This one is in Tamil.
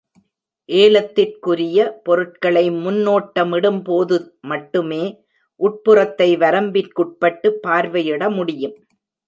ஏலத்திற்குரிய பொருட்களை முன்னோட்டமிடும்போது மட்டுமே உட்புறத்தை வரம்பிற்குட்பட்டு பார்வையிடமுடியும்.